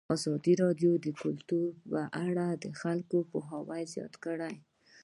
ازادي راډیو د کلتور په اړه د خلکو پوهاوی زیات کړی.